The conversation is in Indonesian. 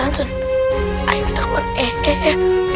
harusnya kita pindah ke luar